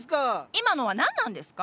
今のは何なんですか？